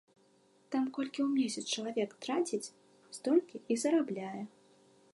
Там колькі ў месяц чалавек траціць, столькі і зарабляе.